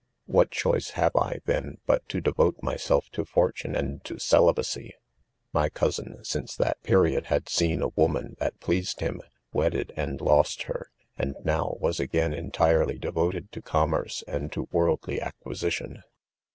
What choice have I, then, but ' to devote myself to fortune and . to celibacy T ! 'My eo sin, iince that period,' had seen a woman that pleased him, Wedded; and lost her, and now, 'was again entirely devoted to commerce' arid : to worldly acquisition.